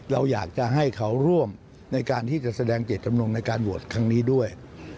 เราอยากจะให้เขาร่วมในการที่จะแสดงเจตจำนงในการโหวตครั้งนี้ด้วย